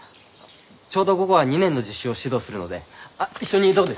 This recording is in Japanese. ちょうど午後は２年の実習を指導するのであ一緒にどうです？